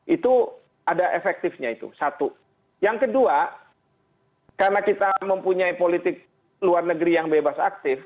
itu ada efektifnya itu satu yang kedua karena kita mempunyai politik luar negeri yang bebas aktif